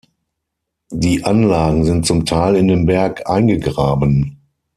Die Anlagen sind zum Teil in den Berg eingegraben.